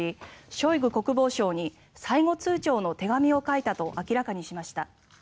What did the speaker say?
ショイグ国防相に最後通ちょうの手紙を書いたと明らかにしました。